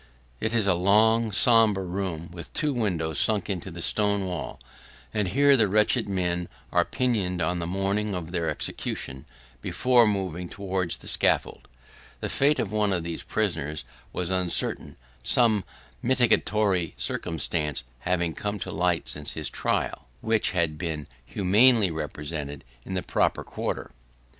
It is a long, sombre room, with two windows sunk into the stone wall, and here the wretched men are pinioned on the morning of their execution, before moving towards the scaffold. The fate of one of these prisoners was uncertain; some mitigatory circumstances having come to light since his trial, which had been humanely represented in the proper quarter.